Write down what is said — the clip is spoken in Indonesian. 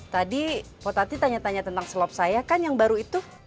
tadi pak tati tanya tanya tentang slop saya kan yang baru itu